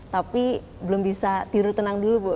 tapi belum bisa tiru tenang dulu bu